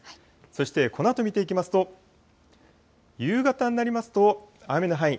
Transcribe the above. そしてこのあと見ていきますと、夕方になりますと、雨の範囲